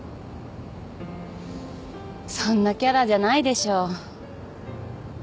そんなキャラじゃないでしょ。